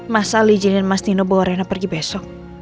mas al izinin mas nino bawa rena pergi besok